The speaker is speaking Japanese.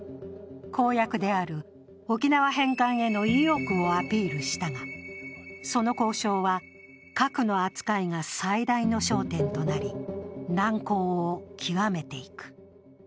公約である沖縄返還への意欲をアピールしたが、その交渉は核の扱いが最大の焦点となり、難航を極めていく。